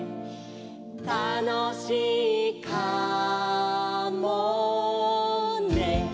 「たのしいかもね」